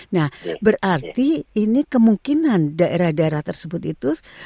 nah berarti ini kemungkinan daerah daerah tersebut itu